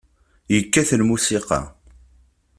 Yekkat lmusiqa.